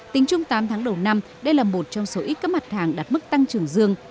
tính chung tám tháng đầu năm đây là một trong số ít các mặt hàng đạt mức tăng trưởng dương